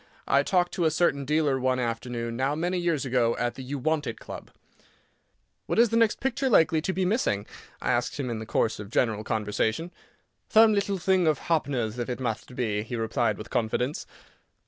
I talked to a certain dealer one afternoon, now many years ago, at the Uwantit Club. "What is the next picture likely to be missing?" I asked him in the course of general conversation. "Thome little thing of Hoppner'th, if it mutht be," he replied with confidence.